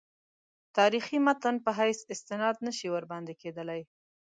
تاریخي متن په حیث استناد نه شي ورباندې کېدلای.